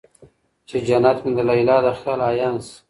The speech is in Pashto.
چې جنت مې د ليلا د خيال عيان شي